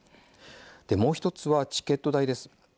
もう１つはチケット代です。